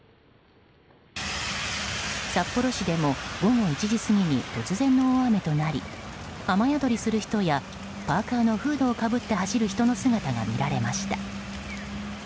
札幌市でも、午後１時過ぎに突然の大雨となり雨宿りする人やパーカのフードをかぶって走る人の姿がありました。